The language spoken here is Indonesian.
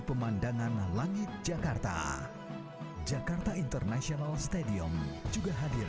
setidak menenang itu mulai kau disini